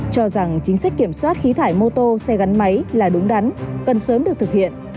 cho rằng chính sách kiểm soát khí thải mô tô xe gắn máy là đúng đắn cần sớm được thực hiện